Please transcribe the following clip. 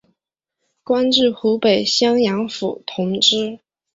官至湖北襄阳府同知。